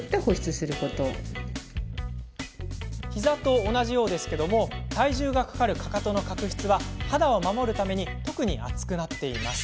ひざと同じようですが体重がかかる、かかとの角質は肌を守るために特に厚くなっています。